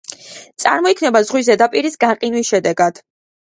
წარმოიქმნება ზღვის ზედაპირის გაყინვის შედეგად.